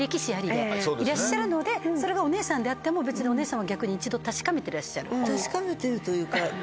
いらっしゃるのでそれがお姉さんであっても別にお姉さんは逆に一度確かめてらっしゃる？